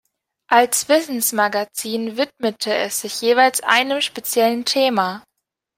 Als Wissensmagazin widmete es sich jeweils einem speziellen Thema.